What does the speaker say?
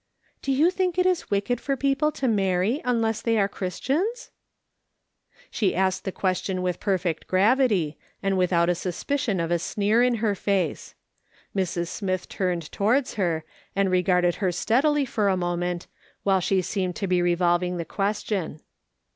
"Do you think it is wicked for people to marry unless they are Christians ?" She asked the question with perfect gravity, and without a suspicion of a sneer on her face. Mrs. Smith turned towards her, and regarded her steadily for a moment, while slie seemed to be revolving the question.